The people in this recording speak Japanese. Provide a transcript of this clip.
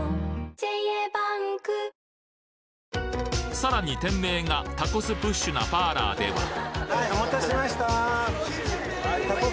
さらに店名がタコスプッシュなパーラーでははいお待たせしました。